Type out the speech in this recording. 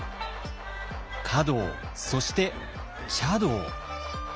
華道そして茶道。